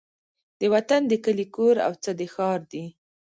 د وطن د کلي کور او څه د ښار دي